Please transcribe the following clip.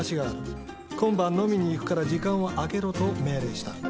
今晩飲みに行くから時間を空けろ」と命令した。